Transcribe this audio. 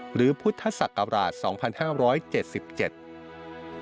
หรือพุทธศักราช๒๕๗๗